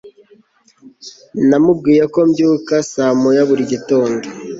Namubwiye ko mbyuka saa moya buri gitondo